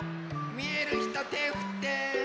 みえるひとてふって。